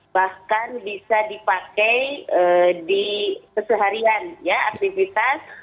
bahkan bisa dipakai di keseharian ya aktivitas